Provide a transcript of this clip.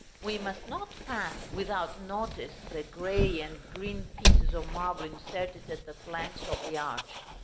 We must not pass without notice the grey and green pieces of marble inserted at the flanks of the arch.